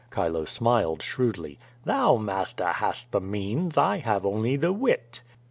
Chilo smiled shrewdly: "Thou, master, hast the means. I have only the wit."